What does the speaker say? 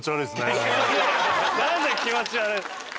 何で気持ち悪い！